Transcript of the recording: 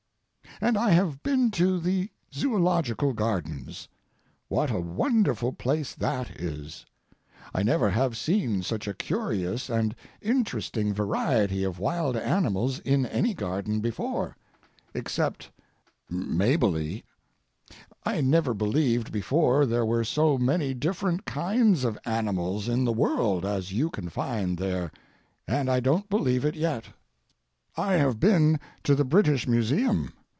And I have been to the Zoological Gardens. What a wonderful place that is! I never have seen such a curious and interesting variety of wild animals in any garden before—except "Mabilie." I never believed before there were so many different kinds of animals in the world as you can find there—and I don't believe it yet. I have been to the British Museum.